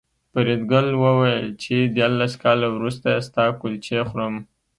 فریدګل وویل چې دیارلس کاله وروسته ستا کلچې خورم